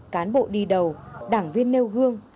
cán bộ đi đầu đảng viên nêu gương